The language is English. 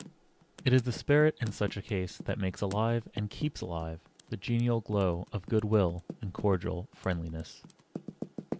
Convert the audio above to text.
It is the spirit in such a case that makes alive and keeps alive the genial glow of good will and cordial friendliness.